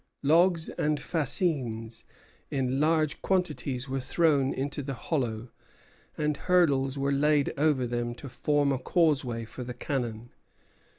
Logs and fascines in large quantities were thrown into the hollow, and hurdles were laid over them to form a causeway for the cannon.